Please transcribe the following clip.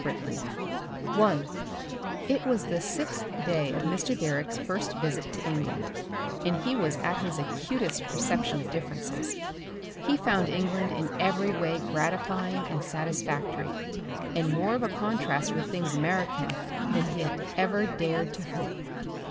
BRITLING Section 1 It was the sixth day of Mr. Direck's first visit to England, and he was at his acutest perception of differences. He found England in every way gratifying and satisfactory, and more of a contrast with things American than he had ever dared to hope.